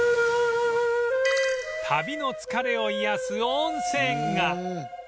旅の疲れを癒やす温泉が